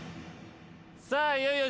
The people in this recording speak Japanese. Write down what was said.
さあいよいよ。